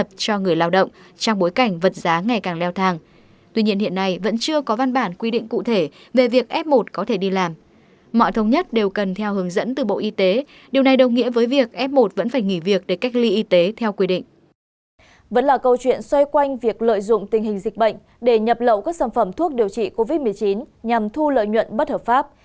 vẫn là câu chuyện xoay quanh việc lợi dụng tình hình dịch bệnh để nhập lậu các sản phẩm thuốc điều trị covid một mươi chín nhằm thu lợi nhuận bất hợp pháp